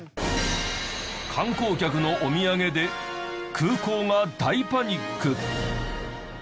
観光客のお土産で空港が大パニック。